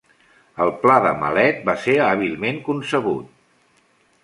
El pla de Malet va ser hàbilment concebut.